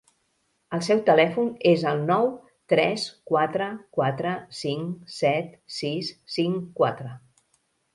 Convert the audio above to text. El seu telèfon és el nou tres quatre quatre cinc set sis cinc quatre.